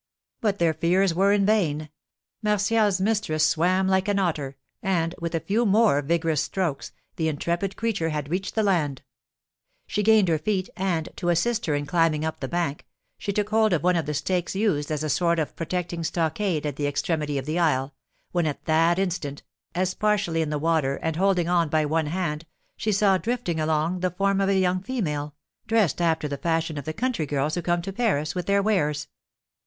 But their fears were vain. Martial's mistress swam like an otter, and, with a few more vigorous strokes, the intrepid creature had reached the land. She gained her feet, and, to assist her in climbing up the bank, she took hold of one of the stakes used as a sort of protecting stockade at the extremity of the isle, when at that instant, as partially in the water and holding on by one hand, she saw drifting along the form of a young female, dressed after the fashion of the country girls who come to Paris with their wares.